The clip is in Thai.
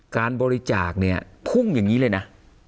การบริจาคเนี่ยพุ่งอย่างนี้เลยนะ